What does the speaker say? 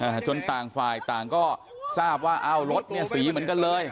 จนต่างฝ่ายต่างก็ทราบว่าอ้าวรถเนี่ยสีเหมือนกันเลย